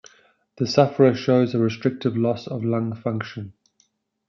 The sufferer shows a restrictive loss of lung function.